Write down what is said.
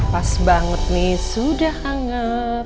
pas banget nih sudah hangat